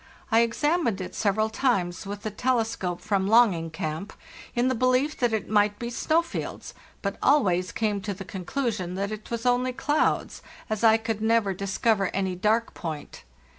I examined it several times with the telescope from 'Longing Camp' in the belief that it might be snow fields, but always came to the conclusion that it was only clouds, as I could never discover any LAND AT LAST 319 dark point.